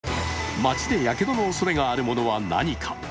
街でやけどのおそれがあるものは何か。